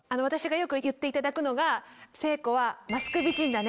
私がよく言っていただくのが「誠子は」。